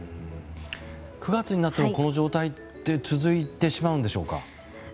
９月になってもこの状態は続いてしまうんでしょうか。